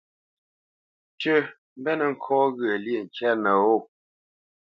Tʉ́ mbenə́ ŋkɔ̌ ghyə̂lyê ŋkyâ nəwô.